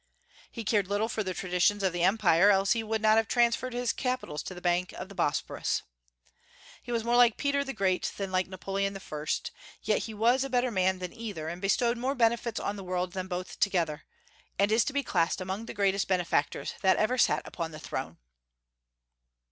He cared little for the traditions of the Empire, else he would not have transferred his capital to the banks of the Bosporus. He was more like Peter the Great than like Napoleon I.; yet he was a better man than either, and bestowed more benefits on the world than both together, and is to be classed among the greatest benefactors that ever sat upon the throne.